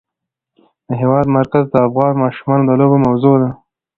د هېواد مرکز د افغان ماشومانو د لوبو موضوع ده.